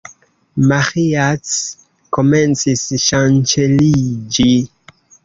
Maĥiac komencis ŝanĉeliĝi.